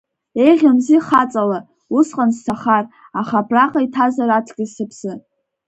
Еиӷьымзи хаҵала, усҟан сҭахар, абраҟа иҭазар аҵкьыс сыԥсы!